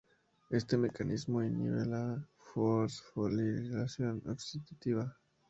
Este mecanismo inhibe la fosforilación oxidativa.